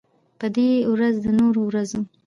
په دې ورځ د نورو ورځو